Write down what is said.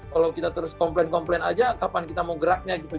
kalau kita terus komplain komplain aja kapan kita mau geraknya gitu